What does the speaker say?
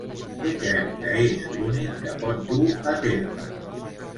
Què creu que és l'únic que pot dur a terme?